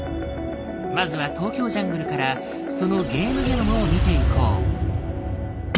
まずは「ＴＯＫＹＯＪＵＮＧＬＥ」からそのゲームゲノムを見ていこう。